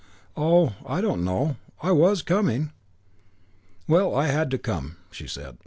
"Oh I don't know. I was coming." "Well, I had to come," she said.